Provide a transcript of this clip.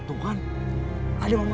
tuhan ada mama kamu